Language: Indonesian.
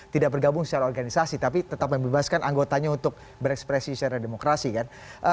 tidak bergabung secara organisasi tapi tetap membebaskan anggotanya untuk berekspresi secara demokrasi kan